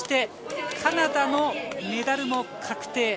カナダのメダルも確定。